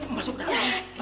masuk ke dapur